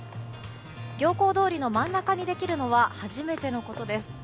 行幸通りの真ん中にできるのは初めてのことです。